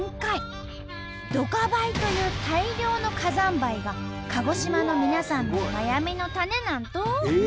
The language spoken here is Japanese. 「ドカ灰」という大量の火山灰が鹿児島の皆さんの悩みの種なんと。